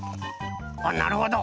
おっなるほど。